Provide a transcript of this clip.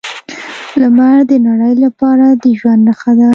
لمر د نړۍ لپاره د ژوند نښه ده.